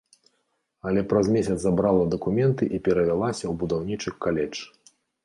Але праз месяц забрала дакументы і перавялася ў будаўнічы каледж.